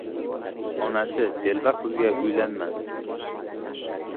• Onasi telba qizga uylanma.